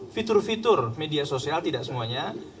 fitur fitur media sosial tidak semuanya